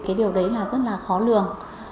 cái điều đấy là rất là khó lường